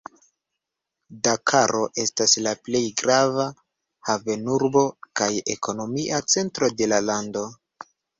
Dakaro etas la plej grava havenurbo kaj ekonomia centro de la lando.